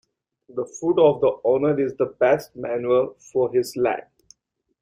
The foot of the owner is the best manure for his land.